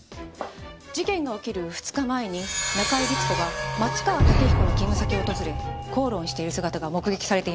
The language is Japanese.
事件が起きる２日前に中井律子が松川竹彦の勤務先を訪れ口論している姿が目撃されていました。